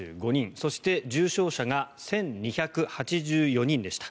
そして重症者が１２８４人でした。